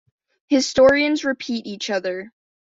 Historians repeat each other.